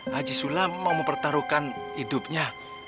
haji sulam mau mempertaruhkan hidupnya